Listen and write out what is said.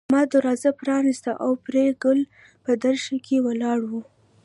ما دروازه پرانيستله او پري ګله په درشل کې ولاړه وه